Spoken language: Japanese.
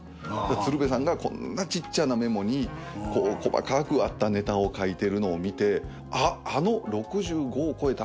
鶴瓶さんがこんなちっちゃなメモにこう細かくあったネタを書いてるのを見てあっあの６５を超えた